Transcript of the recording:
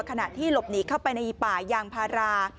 ขณะที่หลบหนีเข้าไปในป่ายางพารา